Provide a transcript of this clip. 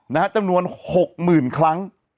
นะฮะจำนวน๖หมื่นครั้ง